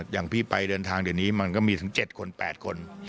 อย่างพี่ไปเดินทางเดี๋ยวนี้มันก็มีถึง๗คน๘คน